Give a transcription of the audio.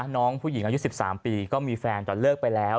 น้องผู้หญิงอายุ๑๓ปีก็มีแฟนแต่เลิกไปแล้ว